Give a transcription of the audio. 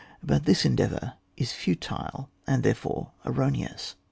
But this endeavour is futile, and therefore erroneous.